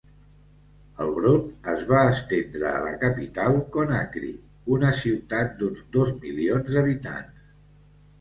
El brot es va estendre a la capital, Conakry, una ciutat d'uns dos milions d'habitants.